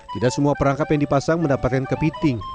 tidak semua perangkap yang dipasang mendapatkan kepiting